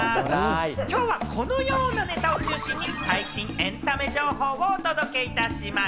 今日はこのようなネタを中心に最新エンタメ情報をお届けいたします。